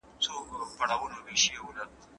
د کلي اوبه ډېرې پاکې او خوږې دي.